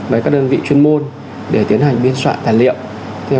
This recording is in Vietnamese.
với các đơn vị chuyên môn để tiến hành biên soạn tài liệu